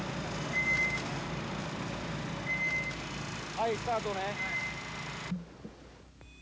はいスタートね。